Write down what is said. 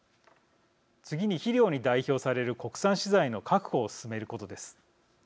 次に肥料に代表される国産資材の確保を進めることです。